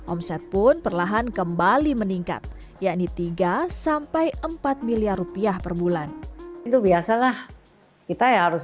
omset pun perlahan kembali meningkat yakni tiga empat miliar rupiah perbulan itu biasalah kita harus